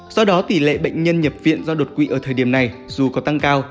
do đó tỷ lệ bệnh nhân nhập viện do đột quỵ ở thời điểm này dù có tăng cao